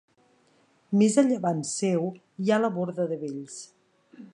Més a llevant seu hi ha la borda de Vells.